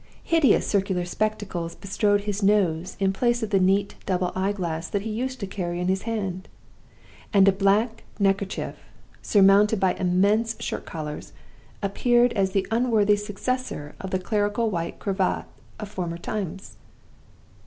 Hideous circular spectacles bestrode his nose in place of the neat double eyeglass that he used to carry in his hand; and a black neckerchief, surmounted by immense shirt collars, appeared as the unworthy successor of the clerical white cravat of former times.